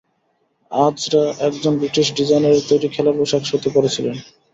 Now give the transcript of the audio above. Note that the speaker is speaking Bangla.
আজরা একজন ব্রিটিশ ডিজাইনারের তৈরি খেলার পোশাক শোতে পরেছিলেন।